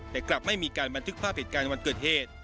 แต่กลับไม่มีการบันทึกภาพเหตุการณ์วันเกิดเหตุ